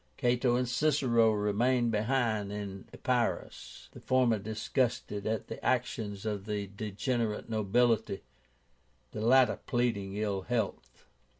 Cato and Cicero remained behind in Epirus, the former disgusted at the actions of the degenerate nobility, the latter pleading ill health.